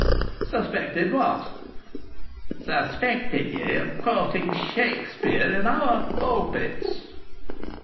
"Suspected what?" "Suspected ye o' quoting Shakspere in our pulpits."